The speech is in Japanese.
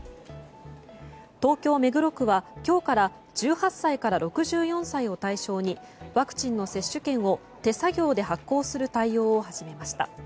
東京・目黒区は今日から１８歳から６４歳を対象にワクチンの接種券を手作業で発行する対応を始めました。